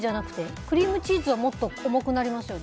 クリームチーズはもっと重くなりますよね。